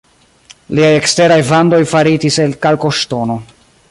Liaj eksteraj vandoj faritis el kalkoŝtono.